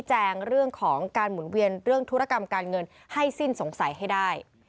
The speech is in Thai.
หมุนเวียนเรื่องธุรกรรมการเงินให้สิ้นสงสัยให้ได้